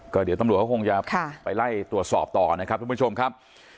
ก็เดี๋ยวตำรวจเขาคงจะไปไล่ตรวจสอบต่อนะครับทุกผู้ชมครับ